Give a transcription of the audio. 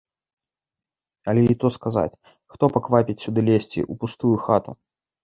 Але і то сказаць, хто паквапіць сюды лезці ў пустую хату.